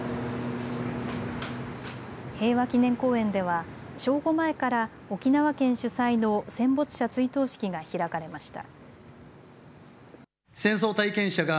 平和祈念公園では正午前から沖縄県主催の戦没者追悼式が開かれました。